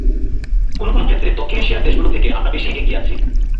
কোনো কোনো ক্ষেত্রে দক্ষিণ এশিয়ার দেশগুলো থেকে আমরা বেশি এগিয়ে আছি।